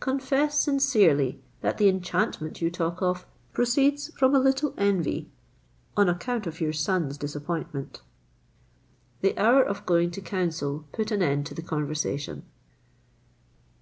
Confess sincerely that the enchantment you talk of proceeds from a little envy on account of your son's disappointment." The hour of going to council put an end to the conversation.